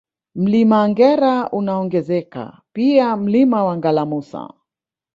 Mlima Ngera unaongezeka pia Mlima wa Ngalamusa